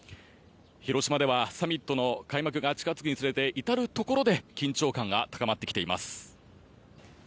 広島ではサミットの開幕が近付くにつれて至るところで緊張感が高まってきています。